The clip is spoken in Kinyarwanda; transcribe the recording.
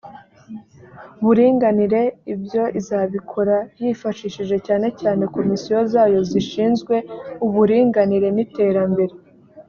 buringanire ibyo izabikora yifashishije cyane cyane komisiyo zayo zishinzwe uburinganire n iterambere